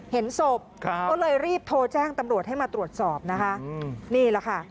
เห็นศพก็เลยรีบโทรแจ้งตำรวจให้มาตรวจสอบนะคะนี่แหละค่ะ